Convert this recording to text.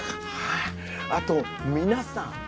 あと皆さん。